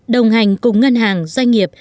đồng hành cùng ngân hàng doanh nghiệp